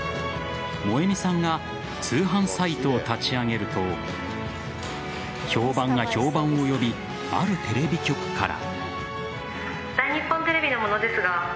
萌美さんが通販サイトを立ち上げると評判が評判を呼びあるテレビ局から。